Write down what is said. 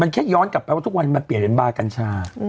มันแค่ย้อนกลับไปว่าทุกวันมาเปลี่ยนบ้านกันช่า